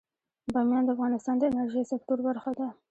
بامیان د افغانستان د انرژۍ سکتور برخه ده.